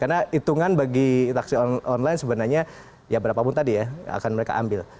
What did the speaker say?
karena itungan bagi taksi online sebenarnya ya berapapun tadi ya akan mereka ambil